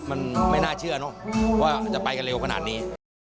มันไม่น่าเชื่อเนอะว่าจะไปกันเร็วขนาดนี้